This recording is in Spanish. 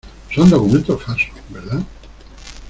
son documentos falsos, ¿ verdad?